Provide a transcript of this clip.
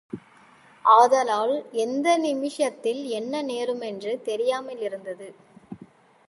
ஆதலால் எந்த நிமிஷத்தில் என்ன நேருமென்று தெரியாமலிருந்தது.